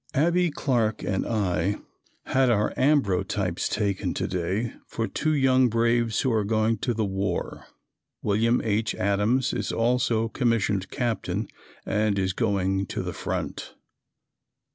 Abbie Clark and I had our ambrotypes taken to day for two young braves who are going to the war. William H. Adams is also commissioned Captain and is going to the front.